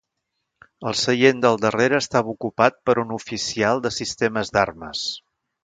El seient del darrere estava ocupat per un oficial de sistemes d'armes.